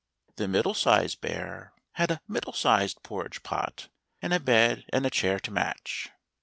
The middle sized bear had a middle sized porridge pot, and a bed and a chair to match.